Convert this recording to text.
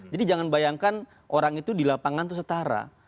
jadi jangan bayangkan orang itu di lapangan itu setara